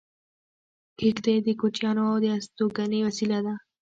کېږدۍ د کوچیانو د استوګنې وسیله ده